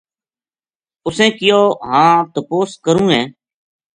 اُسیں کہیو " ہاں تپوس کروں ہے"